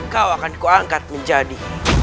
kau akan kuangkat menjadi